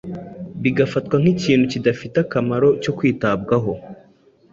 bigafatwa nk’ikintu kidafite akamaro cyo kwitabwaho.